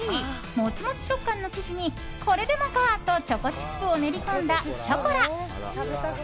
モチモチ食感の生地にこれでもかとチョコチップを練り込んだショコラ。